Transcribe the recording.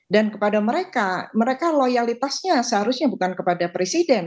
dan kepada mereka mereka loyalitasnya seharusnya bukan kepada presiden